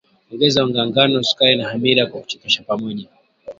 Ongeza unga wa ngano sukari na hamira kwa kuchekecha pamoja